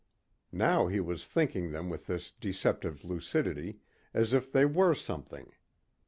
Now he was thinking them with this deceptive lucidity as if they were something.